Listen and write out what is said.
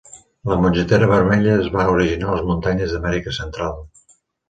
La mongetera vermella es va originar a les muntanyes d'Amèrica central.